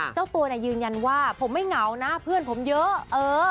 เจ้าตัวเนี่ยยืนยันว่าผมไม่เหงานะเพื่อนผมเยอะเออ